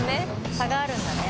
差があるんだね。